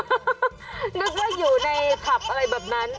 นึกว่าอยู่ในผับอะไรแบบนั้น